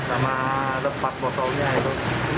sama ada empat botolnya itu